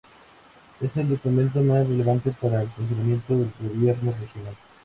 Es el documento más relevante para el funcionamiento del gobierno regional.